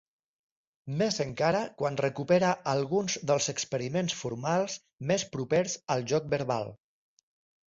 Més encara quan recupera alguns dels experiments formals més propers al joc verbal.